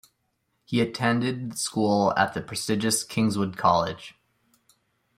He attended school at the prestigious Kingswood College.